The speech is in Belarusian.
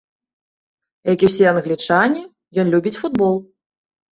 Як і ўсе англічане, ён любіць футбол.